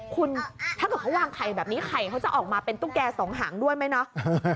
คุณถ้าเกิดเขาวางไข่แบบนี้ไข่เขาจะออกมาเป็นตุ๊กแก่สองหางด้วยไหมเนาะ